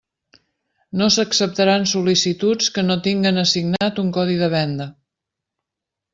No s'acceptaran sol·licituds que no tinguen assignat un codi de venda.